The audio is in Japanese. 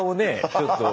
ちょっと。